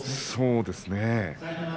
そうですね。